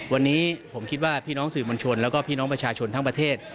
วันนี้ผมคิดว่าพี่น้องสื่อมวลชนแล้วก็พี่น้องประชาชนทั้งประเทศ